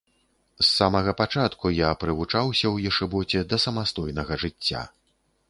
З самага пачатку я прывучаўся ў ешыбоце да самастойнага жыцця.